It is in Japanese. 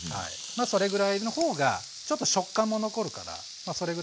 それぐらいの方がちょっと食感も残るからそれぐらいでいいです。